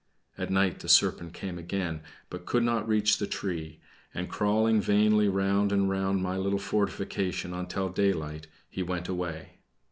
At night the serpent came again, but could not reach the tree; and crawling vainly round and round my little fortification until daylight, he went away.